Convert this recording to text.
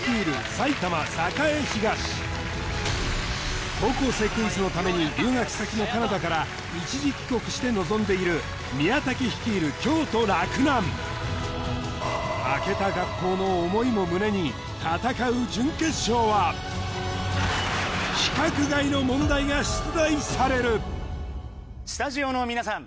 埼玉栄東『高校生クイズ』のために留学先のカナダから一時帰国して臨んでいる宮武率いる京都洛南負けた学校の思いも胸に戦う準決勝はスタジオの皆さん